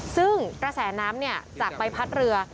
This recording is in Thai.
ซึ่งกระแสน้ำจากใบพัดเรือ